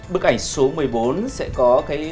bức ảnh số một mươi bốn sẽ có